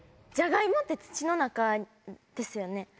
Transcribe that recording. じゃがいもって土の中ですよね。